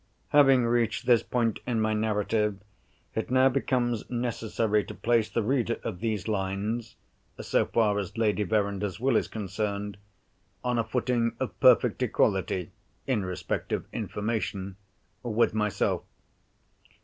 Having reached this point in my narrative, it now becomes necessary to place the reader of these lines—so far as Lady Verinder's Will is concerned—on a footing of perfect equality, in respect of information, with myself.